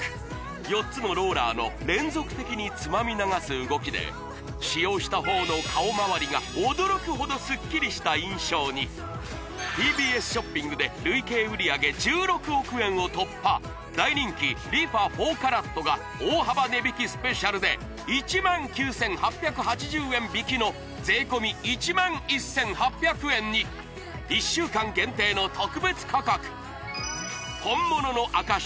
４つのローラーの連続的につまみ流す動きで使用した方の顔周りが驚くほどすっきりした印象にＴＢＳショッピングで累計売上１６億円を突破大人気ＲｅＦａ４ＣＡＲＡＴが大幅値引きスペシャルで１９８８０円引きの税込１１８００円に１週間限定の特別価格本物の証し